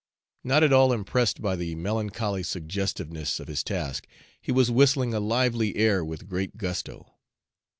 Not at all impressed by the melancholy suggestiveness of his task, he was whistling a lively air with great gusto.